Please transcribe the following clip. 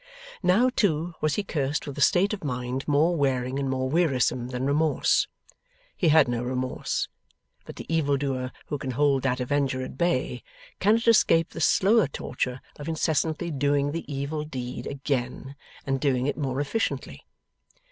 Now, too, was he cursed with a state of mind more wearing and more wearisome than remorse. He had no remorse; but the evildoer who can hold that avenger at bay, cannot escape the slower torture of incessantly doing the evil deed again and doing it more efficiently.